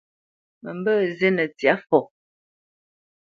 Mə mbə̄ zînə ntsyâ fɔ.